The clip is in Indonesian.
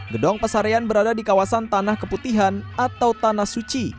gedong pesarian berada di kawasan tanah keputihan atau tanah suci